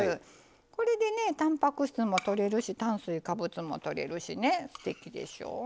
これでねたんぱく質もとれるし炭水化物もとれるしねすてきでしょう。